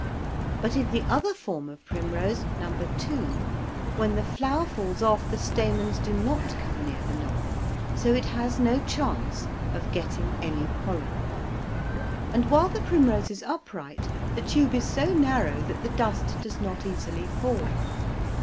But in the other form of primrose, No. 2, when the flower falls off, the stamens do not come near the knob, so it has no chance of getting any pollen; and while the primrose is upright the tube is so narrow that the dust does not easily fall.